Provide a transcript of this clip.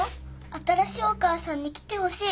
新しいお母さんに来てほしい。